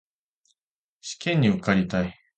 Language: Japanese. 試験に受かりたい